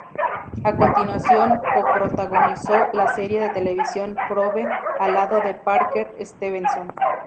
A continuación, co-protagonizó la serie de televisión "Probe", al lado de Parker Stevenson.